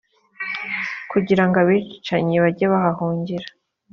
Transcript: kugira ngo abicanyi bajye bahahungira.